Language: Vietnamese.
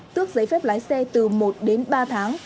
tước giấy phép lái xe từ một đến ba tháng